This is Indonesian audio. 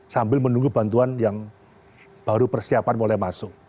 sambil menunggu bantuan yang baru persiapan mulai masuk